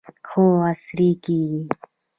خو عصري کیږي.